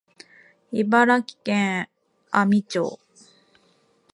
茨城県阿見町